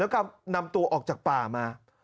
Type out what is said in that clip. กลับนำตัวออกจากป่ามมา